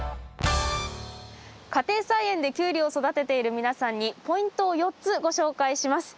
家庭菜園でキュウリを育てている皆さんにポイントを４つご紹介します。